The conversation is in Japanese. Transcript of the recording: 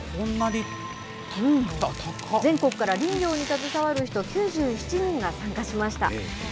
全国から林業に携わる人、９７人が参加しました。